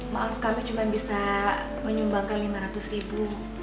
maaf kami cuma bisa menyumbangkan lima ratus ribu